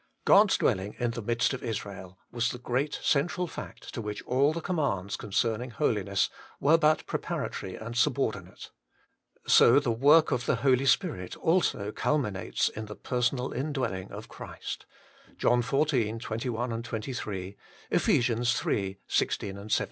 1. God's dwelling in the midst of Israel was the great central fact to which a/I the commands concerning holiness were but preparatory and subordinate. So the work of the Holy Spirit also culminates in the personal Indwelling of Christ. (John xla. 21, 23. Eph. III. 16, 17.)